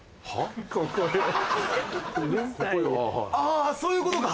あそういうことか！